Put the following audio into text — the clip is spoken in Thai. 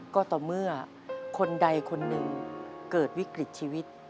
ก็ต่อเมื่อคนใดคนหนึ่งเกิดวิกฤตชีวิต